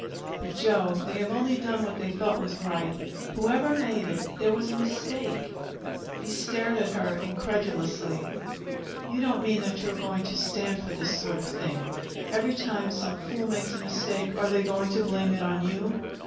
"But, Joe, they have only done what they thought was right. Whoever made it, there was a mistake." He stared at her incredulously. "You don't mean that you are going to stand for this sort of thing? Every time some fool makes a mistake, are they going to blame it on you?"